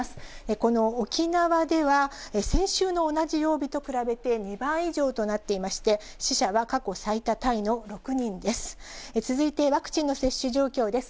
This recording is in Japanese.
この沖縄では、先週の同じ曜日と比べて２倍以上となっていまして、死者は過去最多タイの６人です。